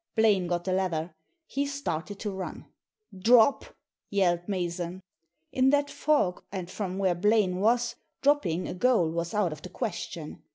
Blaine got the leather. He started to run. Drop," yelled Mason. In that fog, and from where Blaine was, dropping a goal was out of the question.